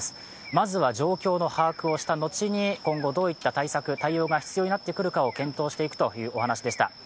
まずは状況の把握をしたのちに今後どういった対策・対応が必要になってくるかを検討していくというお話でした。